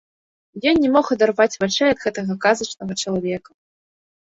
Ён не мог адарваць вачэй ад гэтага казачнага чалавека.